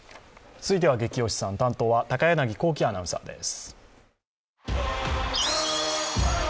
続いては「ゲキ推しさん」担当は高柳光希アナウンサーです。